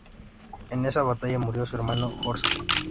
En esa batalla murió su hermano Horsa.